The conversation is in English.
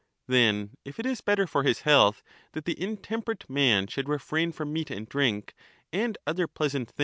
Crit. Then, if it is better for his health that the intemperate Socrates, man should refrain from meat and drink and other pleasant c*™!